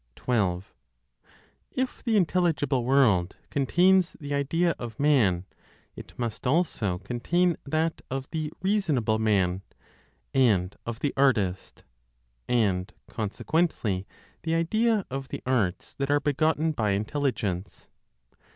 12. If the intelligible world contains the idea of Man, it must also contain that of the reasonable man, and of the artist; and consequently the idea of the arts that are begotten by Intelligence.